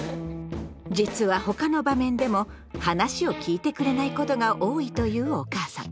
実は他の場面でも話を聞いてくれないことが多いというお母さん。